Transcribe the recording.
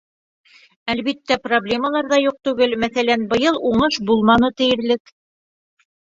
Әлбиттә, проблемалар ҙа юҡ түгел, мәҫәлән, быйыл уңыш булманы тиерлек.